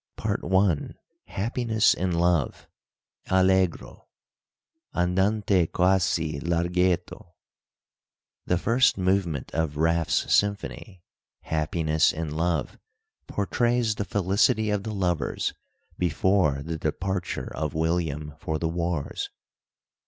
PART I. HAPPINESS IN LOVE Allegro Andante quasi larghetto The first movement of Raff's symphony ("Happiness in Love") portrays the felicity of the lovers before the departure of William for the wars.